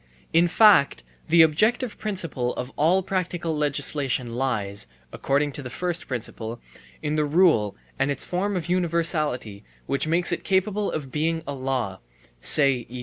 In fact the objective principle of all practical legislation lies (according to the first principle) in the rule and its form of universality which makes it capable of being a law (say, e.